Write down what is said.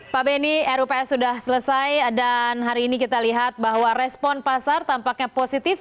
pak benny rups sudah selesai dan hari ini kita lihat bahwa respon pasar tampaknya positif